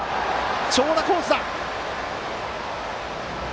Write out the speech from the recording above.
長打コースだ！